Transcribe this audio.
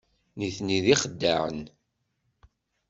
Nitni d ixeddaɛen.